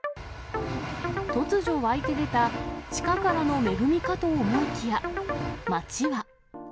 突如湧いて出た地下からの恵みかと思いきや、町は。